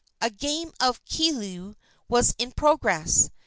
A game of kilu was in progress.